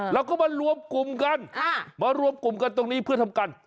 เราก็มารวมกลุ่มกันมารวมกลุ่มกันตรงนี้เพื่อทำกัน